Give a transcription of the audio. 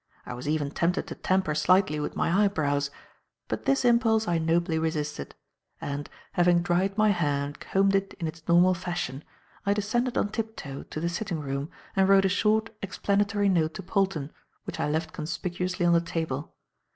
I was even tempted to tamper slightly with my eyebrows, but this impulse I nobly resisted; and, having dried my hair and combed it in its normal fashion, I descended on tip toe to the sitting room and wrote a short, explanatory note to Polton, which I left conspicuously on the table.